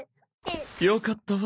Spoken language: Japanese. よかったわ。